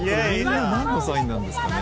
何のサインなんですかね？